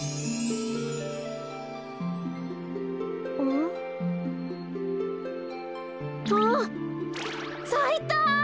ん？あっ！さいた。